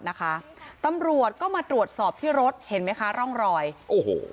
นะคะตำรวจก็มาตรวจสอบที่รถเห็นไหมคะร่องรอยโอ้โห